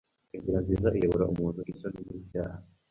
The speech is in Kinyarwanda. Inzira nziza iyobora umuntu isoni nicyaha